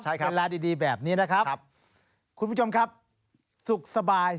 ใช่ครับครับครับคุณผู้ชมครับสุขสบาย